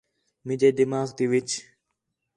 مینجے دماغ تی وِچ